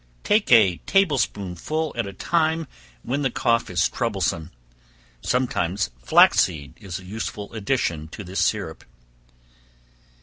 Take a table spoonful at a time when the cough is troublesome. Sometimes flaxseed is a useful addition to this syrup.